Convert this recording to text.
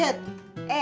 di tempat gue